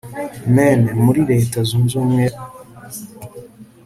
maine muri leta zunze ubumwe